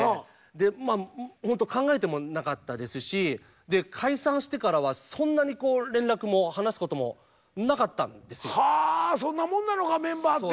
でホント考えてもなかったですし解散してからはそんなに連絡も話すこともなかったんですよ。はそんなもんなのかメンバーって。